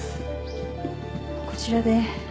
こちらで。